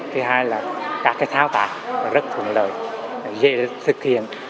thứ hai là các thao tác rất thuận lợi dễ thực hiện